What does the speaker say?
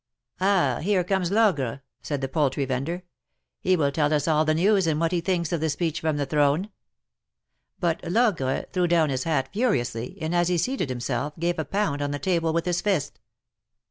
^'Ah ! here comes Logre," said the poultry vendor. " He will tell us all the news, and what he thinks of the speech from the Throne." But Logre threw down his hat furiously, and, as he seated himself, gave a pound on the table with his fist.